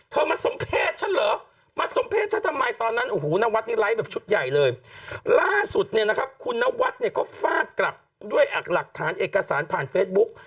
คุณณวัตรเนี่ยเค้าฟาดกลับด้วยหลักฐานเอกสารผ่านเฟซบุ๊ก